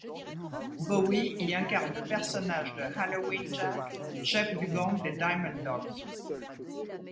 Bowie y incarne le personnage de Halloween Jack, chef du gang des Diamond Dogs.